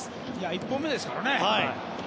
１本目ですからね。